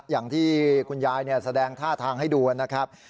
อย่างที่คุณยายแสดงท่าทางให้ดูนะครับ